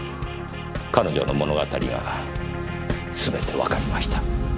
彼女の物語がすべてわかりました。